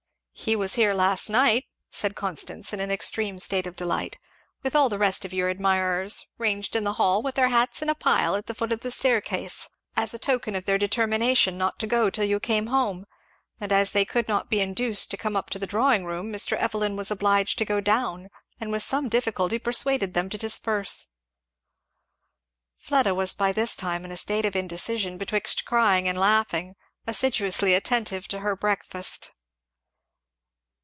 "He was here last night," said Constance in an extreme state of delight, "with all the rest of your admirers ranged in the hall, with their hats in a pile at the foot of the staircase as a token of their determination not to go till you came home; and as they could not be induced to come up to the drawing room Mr. Evelyn was obliged to go down, and with some difficulty persuaded them to disperse." Fleda was by this time in a state of indecision betwixt crying and laughing, assiduously attentive to her breakfast.